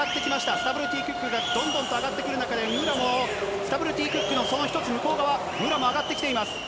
スタブルティクックがどんどんと上がってくる中で、武良もスタブルティクックのその１つ向こう側、武良も上がってきています。